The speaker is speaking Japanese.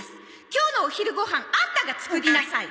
今日のお昼ご飯アンタが作りなさい。